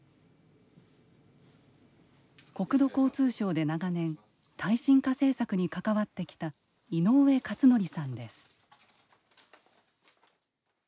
国土交通省で長年耐震化政策に関わってきた井上勝徳さんです。